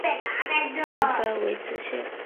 分发为知县。